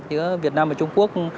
giữa việt nam và trung quốc